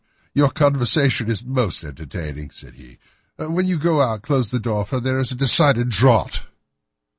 "Your conversation is most entertaining," said he. "When you go out close the door, for there is a decided draught."